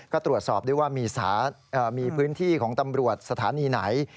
ก็ตรวจสอบด้วยว่ามีพื้นที่ของตำรวจสถานีไหน